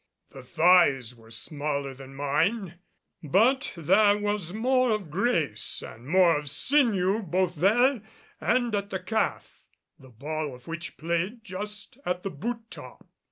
The thighs were smaller than mine, but there was more of grace and more of sinew both there and at the calf, the ball of which played just at the boot top.